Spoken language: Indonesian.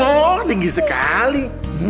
wah tinggi sekali